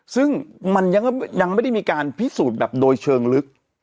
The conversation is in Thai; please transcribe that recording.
ซึ่งมันยังไม่ได้มีการพิสูจน์แบบโดยเชิงลึก